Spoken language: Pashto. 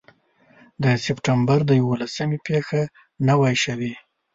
د سپټمبر د یوولسمې پېښه نه وای شوې.